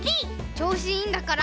ちょうしいいんだから！